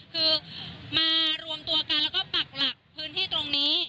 คือมารวมตัวกันแล้วก็ปักหลักพื้นที่ตรงนี้